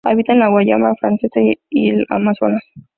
Habita en la Guayana francesa y el Amazonas.